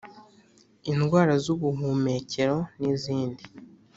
indwaraz’ubuhumekero n’izindi.